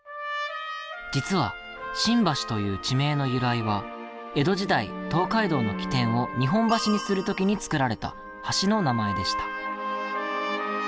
実は「新橋」という地名の由来は江戸時代、東海道の起点を日本橋にする時に作られた橋の名前でした。